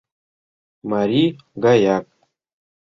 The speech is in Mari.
Марий гаяк.